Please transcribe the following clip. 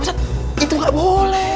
ustadz itu gak boleh